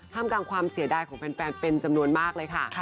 มกลางความเสียดายของแฟนเป็นจำนวนมากเลยค่ะ